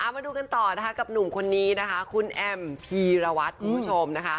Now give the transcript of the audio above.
มาดูกันต่อกับหนุ่มคนนี้คุณแอมพีระวัตร